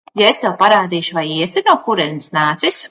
Ja es tev to parādīšu, vai iesi, no kurienes nācis?